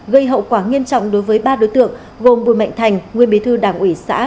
gây hậu quả nghiêm trọng đối với ba đối tượng gồm bùi mạnh thành nguyên bí thư đảng ủy xã